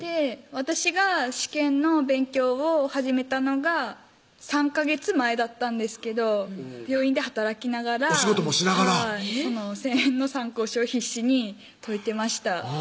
私が試験の勉強を始めたのが３ヵ月前だったんですけど病院で働きながらお仕事もしながらその１０００円の参考書を必死に解いてました